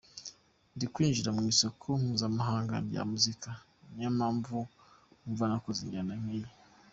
Ndi kwinjira mu isoko mpuzamahanga rya muzika, niyo mpamvu wumva nakoze injyana nk’iyi.